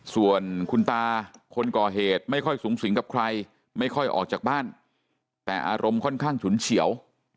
ส่วนคุณตาคนก่อเหตุไม่ค่อยสูงสิงกับใครไม่ค่อยออกจากบ้านแต่อารมณ์ค่อนข้างฉุนเฉียว